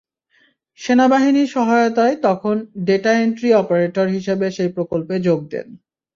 সেনাবহিনীর সহায়তায় তখন data entry operator হিসেবে সেই প্রকল্পে যোগ দেন।